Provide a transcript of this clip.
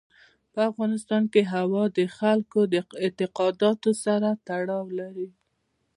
په افغانستان کې هوا د خلکو د اعتقاداتو سره تړاو لري.